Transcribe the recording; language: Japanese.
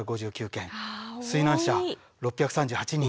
水難者６３８人。